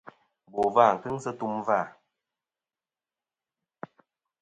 Bò vâ nɨn kɨŋ sɨ tum vâ.